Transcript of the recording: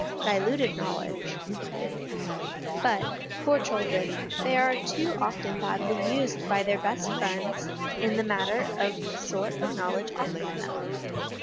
Diluted Knowledge. But, poor children, they are too often badly used by their best friends in the matter of the sort of knowledge offered them.